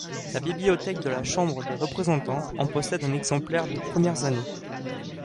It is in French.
La bibliothèque de la Chambre des représentants en possède un exemplaire des premières années.